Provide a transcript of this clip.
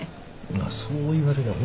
まあそう言われりゃ